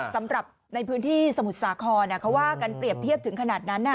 สำหรับในพื้นที่สมุทรสาครเขาว่ากันเปรียบเทียบถึงขนาดนั้น